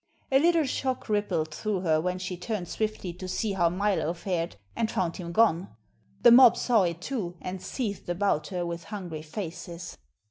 A little shock rippled through her when she turned swiftly to see how Milo fared, and found him gone. The mob saw it, too, and seethed about her with hungry faces.